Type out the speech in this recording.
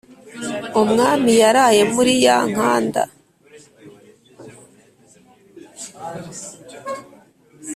umwami yaraye murí yá nkánda